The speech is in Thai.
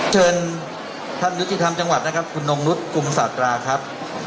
เชิญท่านยุติธรรมจังหวัดนะครับคุณนงนุษย์กลุ่มศาตราครับ